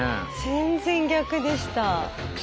全然逆でした。